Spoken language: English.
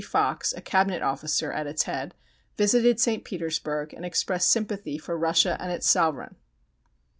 Fox, a Cabinet officer, at its head, visited St. Petersburg and expressed sympathy for Russia and its Sovereign.